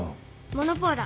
モノポーラ。